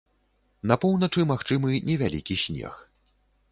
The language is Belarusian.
На поўначы магчымы невялікі снег.